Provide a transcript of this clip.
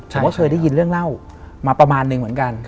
ผมก็เคยได้ยินเรื่องเล่ามาประมาณนึงเหมือนกัน